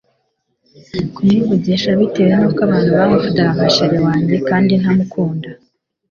kumuvugisha bitewe nuko abantu bamufataga nka chr wanjye kandi ntamukunda